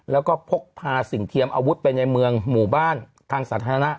แล้วก็พกพาสิ่งเทียมอาวุธไปในเมืองหมู่บ้านทางสาธารณะ